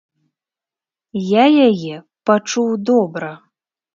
Я яе пачуў добра!